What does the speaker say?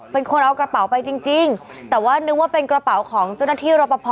เป็นคนเอากระเป๋าไปจริงจริงแต่ว่านึกว่าเป็นกระเป๋าของเจ้าหน้าที่รอปภ